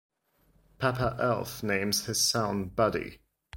Papa Elf names his son Buddy.